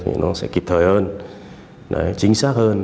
thì nó sẽ kịp thời hơn chính xác hơn